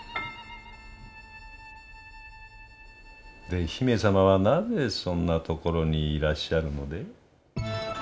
で姫様はなぜそんな所にいらっしゃるので？